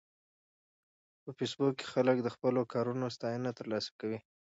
په فېسبوک کې خلک د خپلو کارونو ستاینه ترلاسه کوي